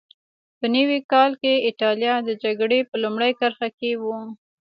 په نوي کال کې اېټالیا د جګړې په لومړۍ کرښه کې وه.